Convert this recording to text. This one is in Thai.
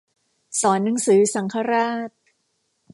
สอนหนังสือสังฆราช